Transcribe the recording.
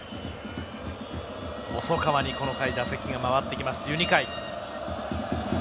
細川に、この回打席が回ってきます、１２回。